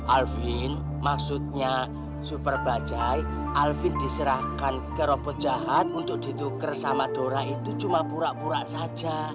alvin maksudnya super bajai alvin diserahkan ke robot jahat untuk ditukar sama dora itu cuma pura pura saja